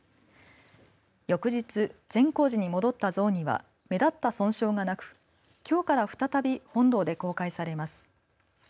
翌日善光寺に戻った像には目立った損傷がなくきょうから再び本堂で公開されます。